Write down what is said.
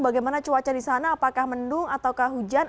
bagaimana cuaca di sana apakah mendung atau hujan